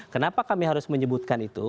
kenapa kami harus menyebutkan itu